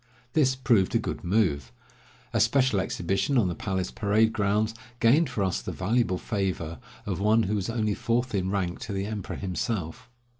This proved a good move. A special exhibition on the palace parade grounds gained for us the valuable favor of one who was only fourth in rank to the emperor himself.